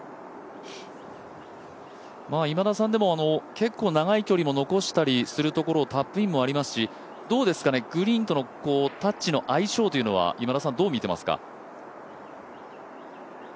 結構、長い距離も残したりするところもタップインもありますし、グリーンとのタッチの相性というのは今田さん、どう見ていますか？